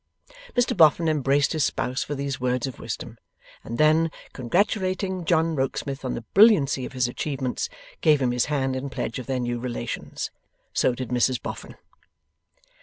Mr Boffin embraced his spouse for these words of wisdom, and then, congratulating John Rokesmith on the brilliancy of his achievements, gave him his hand in pledge of their new relations. So did Mrs Boffin.